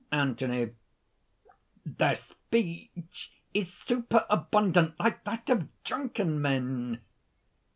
ANTHONY. "Their speech is superabundant, like that of drunken men!"